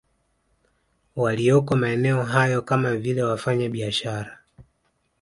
Walioko maeneo hayo kama vile wafanya biashara